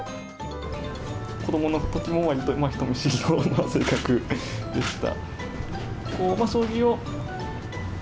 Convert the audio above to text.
子どものときもわりと人見知りな性格でした。